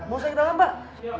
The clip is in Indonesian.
boleh saya ke dalam pak